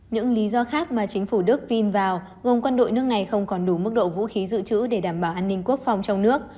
những lý do khác mà chính phủ đức vin vào gồm quân đội nước này không còn đủ mức độ vũ khí dự trữ để đảm bảo an ninh quốc phòng trong nước